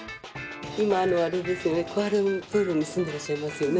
今はあれですよね、クアラルンプールに住んでらっしゃいますよね。